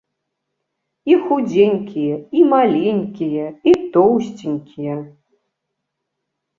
І худзенькія, і маленькія, і тоўсценькія.